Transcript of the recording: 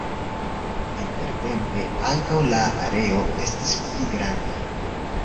Intertempe ankaŭ la areo estis pli granda.